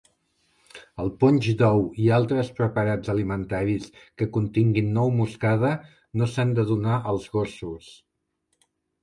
El ponx d'ou i altres preparats alimentaris que continguin nou moscada no s'han de donar als gossos.